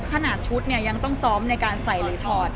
ขนาดชุดเนี่ยยังต้องซ้อมในการใส่หรือถอด